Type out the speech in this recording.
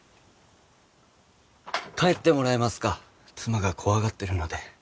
帰ってもらえますか妻が怖がってるので。